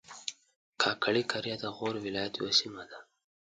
کاکړي قریه د غور ولایت یوه سیمه ده